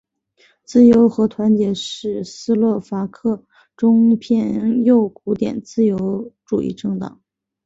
自由和团结是斯洛伐克中间偏右古典自由主义政党。